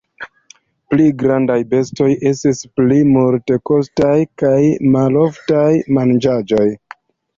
Pli grandaj bestoj estis pli multekostaj kaj maloftaj manĝaĵoj.